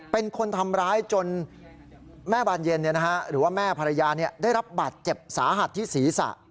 เป็นคนทำร้ายจนแม่บานเย็นหรือว่าแม่ภรรยาได้รับบาดเจ็บสาหัสที่ศีรษะ